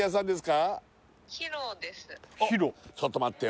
ちょっと待ってよ